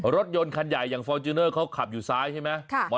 รถยนต์คันใหญ่อย่างฟอร์จูเนอร์เขาขับอยู่ซ้ายใช่ไหม